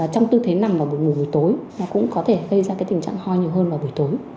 trong tư thế nằm vào buổi buổi tối nó cũng có thể gây ra cái tình trạng ho nhiều hơn vào buổi tối